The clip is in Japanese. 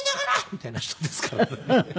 みたいな人ですからね。